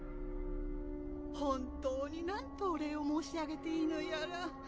本当になんとお礼を申し上げていいのやら。